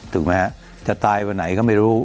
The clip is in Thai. ถูกไหมฮะจะตายวันไหนก็ไม่รู้